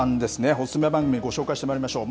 お勧め番組ご紹介してまいりましょう。